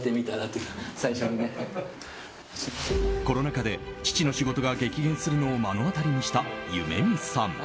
コロナ禍で父の仕事が激減するのを目の当たりにした夢弓さん。